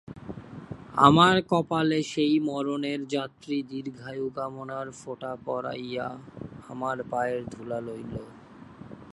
আমার কপালে সেই মরণের যাত্রী দীর্ঘায়ুকামনার ফোঁটা পরাইয়া আমার পায়ের ধূলা লইল।